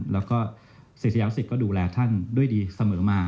แล้วก็ศิษยาศิษย์ก็ดูแลท่านด้วยดีเสมอมา